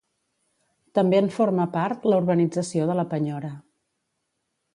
També en forma part la urbanització de la Penyora.